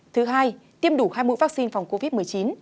thứ hai tiêm đủ hai mũi vaccine phòng covid một mươi chín